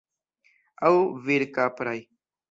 Aŭ virkapraj.